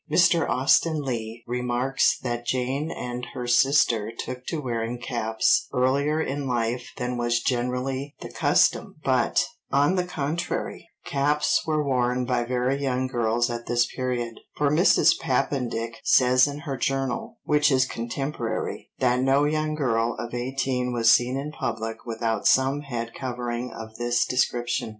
Mr Austen Leigh remarks that Jane and her sister took to wearing caps earlier in life than was generally the custom, but, on the contrary, caps were worn by very young girls at this period, for Mrs. Papendick says in her Journal, which is contemporary, that no young girl of eighteen was seen in public without some head covering of this description.